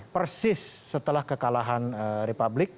persis setelah kekalahan republik